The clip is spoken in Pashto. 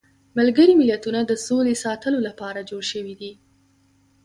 ملګري ملتونه د سولې ساتلو لپاره جوړ شویدي.